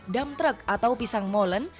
damtrek atau pisang molen